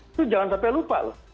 itu jangan sampai lupa loh